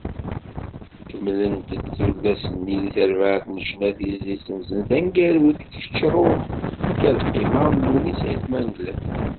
Kemmlent-d tullas-nni n terbaɛt n ccna tizlit-nsent taneggarut “Kečč ruḥ, nekk ad qqimeɣ” n Lewnis Ayt Mengellat.